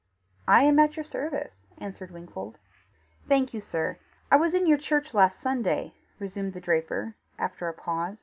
"I am at your service," answered Wingfold. "Thank you, sir. I was in your church last Sunday," resumed the draper after a pause.